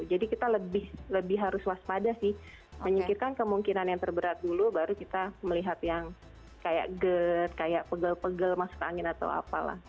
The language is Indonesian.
jadi kita lebih harus waspada sih menyimpirkan kemungkinan yang terberat dulu baru kita melihat yang kayak gerd kayak pegel pegel masuk angin atau apalah